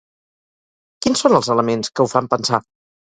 Quins són els elements que ho fan pensar?